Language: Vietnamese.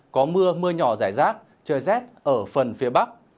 có mưa mưa nhỏ rải rác trời rét ở phần phía bắc